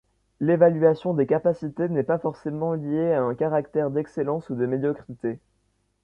L'évaluation des capacités n'est pas forcément liée à un caractère d'excellence ou de médiocrité.